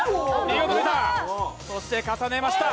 そして重ねました。